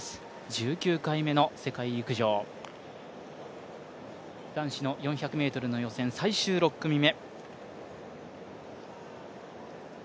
１９回目の世界陸上、男子の４００ｍの予選、最終６組目。